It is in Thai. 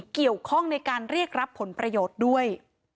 เกี่ยวข้องในการเรียกรับผลประโยชน์ด้วย